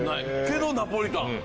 けどナポリタン。